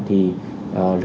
thì không nên làm gì